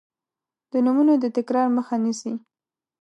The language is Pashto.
د نومونو د تکرار مخه نیسي.